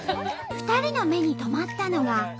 ２人の目に留まったのが。